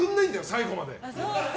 最後まで。